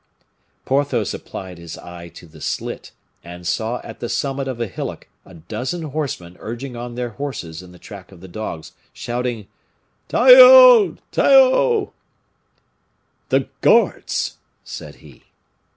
Porthos applied his eye to the slit, and saw at the summit of a hillock a dozen horsemen urging on their horses in the track of the dogs, shouting, "Taiaut! taiaut!" "The guards!" said he.